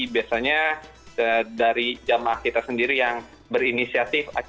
biasanya dari jamaah kita sendiri yang berinisiatif